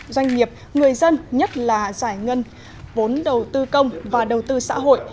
doanh nghiệp người dân nhất là giải ngân vốn đầu tư công và đầu tư xã hội